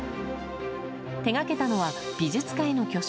手がけたのは、美術界の巨匠